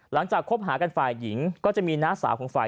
หลังจาก